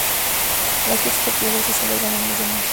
Las fiestas populares se celebran el mes de marzo.